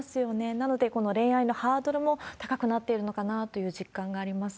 なので、この恋愛のハードルも高くなっているのかなという実感があります。